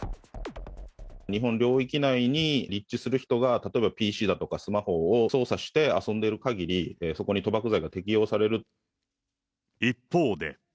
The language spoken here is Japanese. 日本領域内に立地する人が、例えばＰＣだとかスマホを操作して、遊んでいるかぎり、一方で。